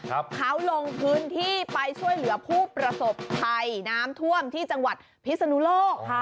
เขาลงพื้นที่ไปช่วยเหลือผู้ประสบภัยน้ำท่วมที่จังหวัดพิศนุโลกค่ะ